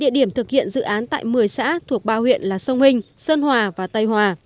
địa điểm thực hiện dự án tại một mươi xã thuộc ba huyện là sông hình sơn hòa và tây hòa